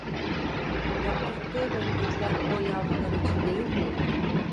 Yaptırttığı mektepler o yavrular için değil miydi?